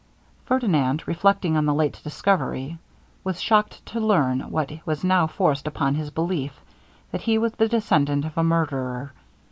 Ferdinand, reflecting on the late discovery, was shocked to learn, what was now forced upon his belief, that he was the descendant of a murderer.